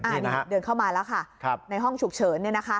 อันนี้เดินเข้ามาแล้วค่ะในห้องฉุกเฉิน